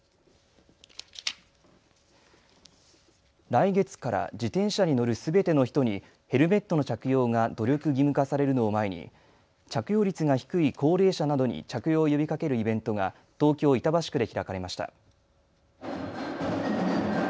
来月から自転車に乗るすべての人にヘルメットの着用が努力義務化されるのを前に着用率が低い高齢者などに着用を呼びかけるイベントが東京板橋区で開かれました。